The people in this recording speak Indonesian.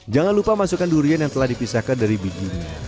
jangan lupa masukkan durian yang telah dipisahkan dari bijinya